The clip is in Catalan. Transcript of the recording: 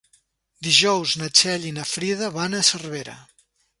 Dijous na Txell i na Frida van a Cervera.